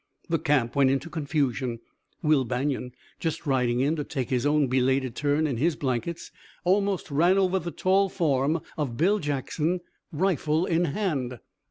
The camp went into confusion. Will Banion, just riding in to take his own belated turn in his blankets, almost ran over the tall form of Bill Jackson, rifle in hand.